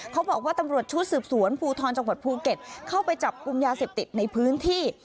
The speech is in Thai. เขาบอกว่าตำรวจชุดสืบสวนภูทรจังหวัดภูเก็ตเข้าไปจับกลุ่มยาเสพติดในพื้นที่